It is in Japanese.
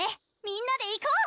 みんなで行こう！